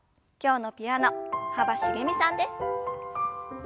今日のピアノ幅しげみさんです。